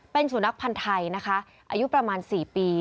เป็นสุนัขพันธ์ไทยนะคะอายุประมาณ๔ปี